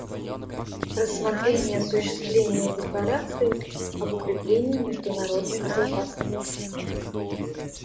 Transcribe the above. Рассмотрение осуществления Декларации об укреплении международной безопасности.